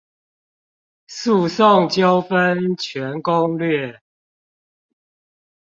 訴訟糾紛全攻略